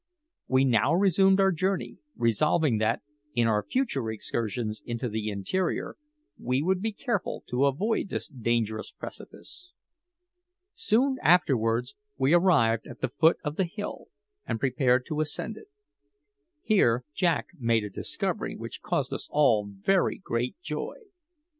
We now resumed our journey, resolving that, in our future excursions into the interior, we would be careful to avoid this dangerous precipice. Soon afterwards we arrived at the foot of the hill, and prepared to ascend it. Here Jack made a discovery which caused us all very great joy.